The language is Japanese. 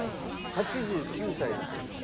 ８９歳だそうです。